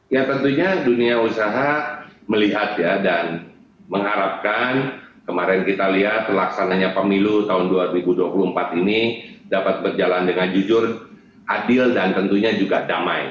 ya tentunya dunia usaha melihat ya dan mengharapkan kemarin kita lihat terlaksananya pemilu tahun dua ribu dua puluh empat ini dapat berjalan dengan jujur adil dan tentunya juga damai